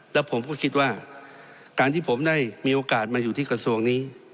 แล้วผมก็คิดว่าการที่ผมได้มีโอกาสมาอยู่ที่กระทรวงนี้